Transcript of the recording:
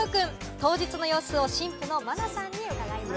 当日の様子を新婦の麻菜さんに伺いました。